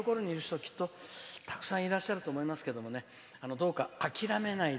きっと、たくさんいらっしゃると思いますけどどうか、諦めないで。